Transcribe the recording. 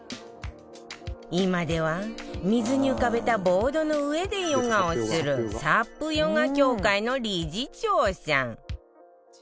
今では、水に浮かべたボードの上でヨガをするサップヨガ協会の理事長。